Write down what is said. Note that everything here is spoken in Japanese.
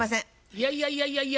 いやいやいやいやいや。